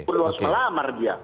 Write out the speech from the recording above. perlu selamar dia